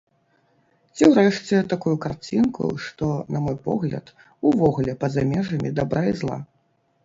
Ці ўрэшце такую карцінку, што, на мой погляд, увогуле па-за межамі дабра і зла.